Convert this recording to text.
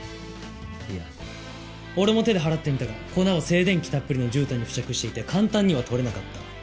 いや俺も手で払ってみたが粉は静電気たっぷりのじゅうたんに付着していて簡単には取れなかった。